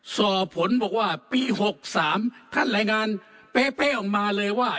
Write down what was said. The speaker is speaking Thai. สอบผลบอกว่าปี๖๓ท่านรายงานเป๊ะออกมาเลยว่า